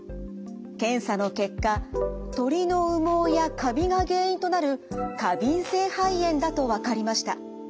検査の結果鳥の羽毛やカビが原因となる過敏性肺炎だと分かりました。